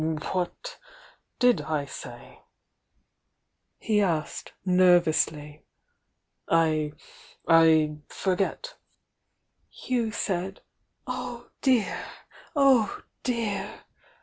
"What did I say?" he asked, nervously. "I— I forget " "You said— oh, dear, oh, dear!